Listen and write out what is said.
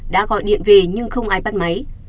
đã gọi điện về nhưng không ai bắt máy